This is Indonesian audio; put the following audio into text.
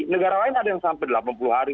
negara lain ada yang sampai delapan puluh hari